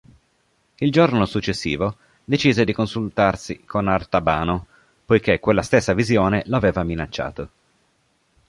Il giorno successivo, decise di consultarsi con Artabano, poiché quella stessa visione l'aveva minacciato.